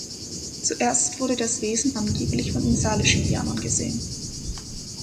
Zuerst wurde das Wesen angeblich von den Salish-Indianern gesehen.